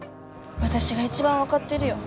私が一番分かってるよ